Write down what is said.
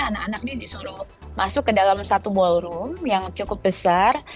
anak anak ini disuruh masuk ke dalam satu ballroom yang cukup besar